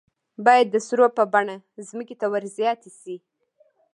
باید د سرو په بڼه ځمکې ته ور زیاتې شي.